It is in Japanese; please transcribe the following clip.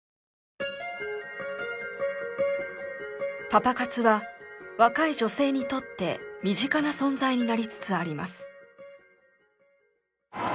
パパ活は若い女性にとって身近な存在になりつつあります。